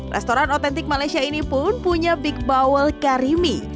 restoran otentik malaysia ini pun punya big bowl kari mie